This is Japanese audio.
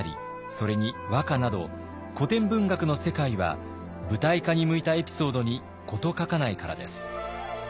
それに和歌など古典文学の世界は舞台化に向いたエピソードに事欠かないからです。